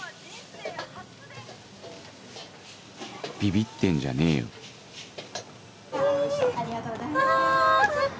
ビビってんじゃねえよありがとうございました。